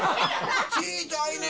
「小ちゃいね」